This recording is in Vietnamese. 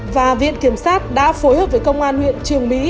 và viện kiểm sát đã phối hợp với công an huyện trường mỹ